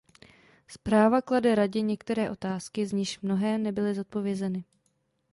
Zpráva klade Radě některé otázky, z nichž mnohé nebyly zodpovězeny.